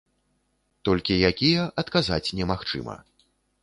Толькі якія, адказаць немагчыма.